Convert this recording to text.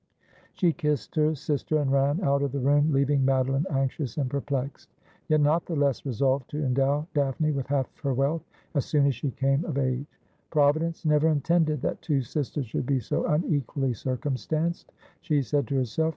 She kissed her sister and ran out of the room, leaving Madeline anxious and perplexed, yet not the less resolved to endow Daphne with half her wealth as soon as she came of age. 'Providence never intended that two sisters should be so unequally circumstanced,' she said to herself.